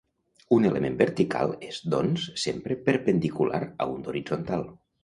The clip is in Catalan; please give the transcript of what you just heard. Un element vertical és, doncs, sempre perpendicular a un d'horitzontal.